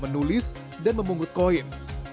menulis dan memungut koin